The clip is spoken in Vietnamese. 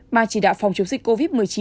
ban chỉ đạo phòng chống dịch covid một mươi chín